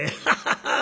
ハハハッ。